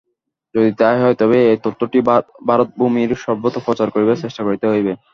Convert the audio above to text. যদি তাই হয়, তবে এই তত্ত্বটিও ভারতভূমির সর্বত্র প্রচার করিবার চেষ্টা করিতে হইবে।